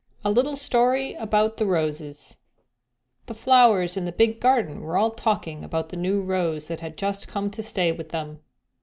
A LITTLE STORY ABOUT THE ROSES The flowers in the big garden were all talking about the new rose that had just come to stay with them.